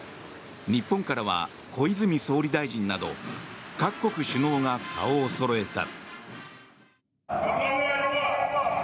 日本からは小泉総理大臣など各国首脳が顔をそろえた。